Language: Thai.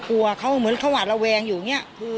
กลัวเขาเหมือนเขาหวาดระแวงอยู่อย่างนี้